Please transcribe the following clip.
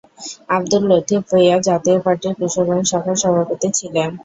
আব্দুল লতিফ ভূঁইয়া জাতীয় পার্টির কিশোরগঞ্জ শাখার সভাপতি ছিলেন।